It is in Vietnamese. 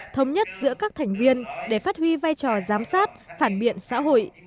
thống nhất giữa các thành viên để phát huy vai trò giám sát phản biện xã hội